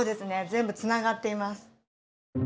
全部つながっています。